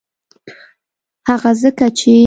هغه ځکه چې